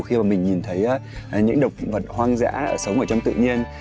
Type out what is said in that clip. khi mà mình nhìn thấy những động vật hoang dã sống ở trong tự nhiên